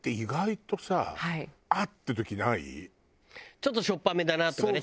ちょっとしょっぱめだなとかね